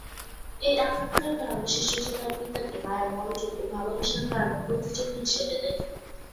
এই আকাঙ্ক্ষার কারণে শিশুটি তার পিতাকে মায়ের মনোযোগ ও ভালবাসার কারণে প্রতিযোগী হিসেবে দেখে।